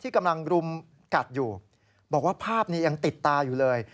กัดอยู่บอกว่าภาพนี้ยังติดตาอยู่เลย